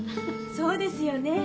そうですよねえ